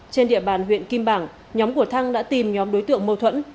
trên địa bàn huyện kim bảng nhóm của thăng đã tìm nhóm đối tượng mâu thuẫn